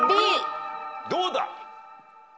どうだ？